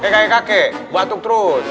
kakek kakek batuk terus